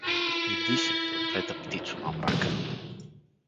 — Иди си, проклета птицо на мрака!